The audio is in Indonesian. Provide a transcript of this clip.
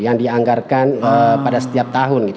yang dianggarkan pada setiap tahun